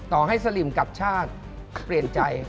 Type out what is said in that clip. ต่อให้สลิมกับชาติเปลี่ยนใจ